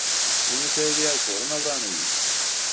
وینې تویوي او کورونه ورانوي.